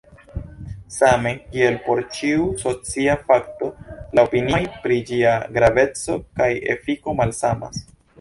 Same kiel por ĉiu socia fakto, la opinioj pri ĝia graveco kaj efiko malsamas.